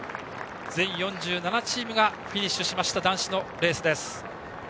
全４７チームがフィニッシュした男子のレースです。